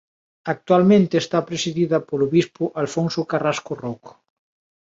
Actualmente está presidida polo bispo Alfonso Carrasco Rouco.